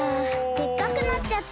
でっかくなっちゃった。